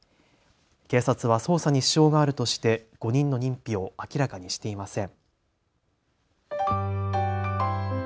警察は捜査に支障があるとして５人の認否を明らかにしていません。